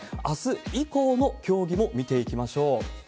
あす以降も競技も見ていきましょう。